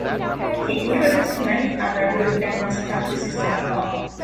He introduced many other good business practices to the club.